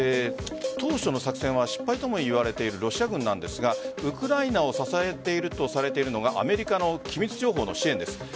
当初の作戦は失敗ともいわれているロシア軍なんですがウクライナを支えているとされているのがアメリカの機密情報の支援です。